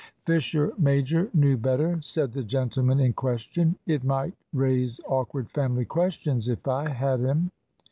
"Fisher major knew better," said the gentleman in question. "It might raise awkward family questions if I had him."